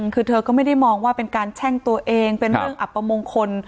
คือเธอก็ไม่ได้มองว่าเป็นการแช่งตัวเองเป็นเรื่องอับประมงคล